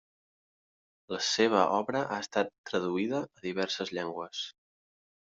La seua obra ha estat traduïda a diverses llengües.